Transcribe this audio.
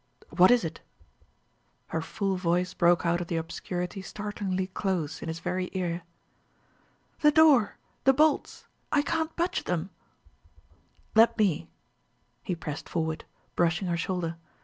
"What is it?" Her full voice broke out of the obscurity startlingly close, in his very ear. "The door the bolts I can't budge them." "Let me ..." He pressed forward, brushing her shoulder.